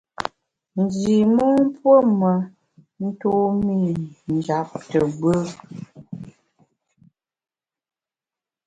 Ndi mon puo me ntumî njap te gbù.